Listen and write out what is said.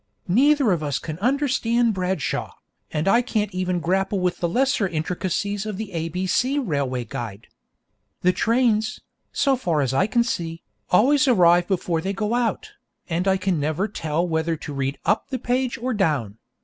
Neither of us can understand Bradshaw, and I can't even grapple with the lesser intricacies of the A B C Railway Guide. The trains, so far as I can see, always arrive before they go out, and I can never tell whether to read up the page or down.